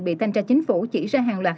bị thanh tra chính phủ chỉ ra hàng loạt